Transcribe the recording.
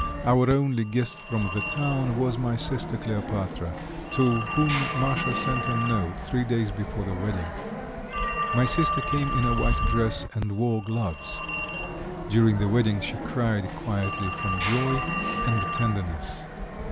Our only guest from the town was my sister Kleopatra, to whom Masha sent a note three days before the wedding. My sister came in a white dress and wore gloves. During the wedding she cried quietly from joy and tenderness.